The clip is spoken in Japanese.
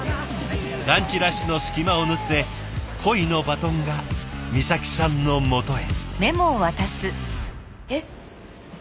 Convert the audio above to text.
ランチラッシュの隙間を縫って恋のバトンが美咲さんのもとへ。